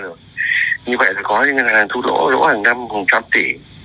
như vậy thì có những ngân hàng thu lỗ lỗ hàng năm một trăm linh tỷ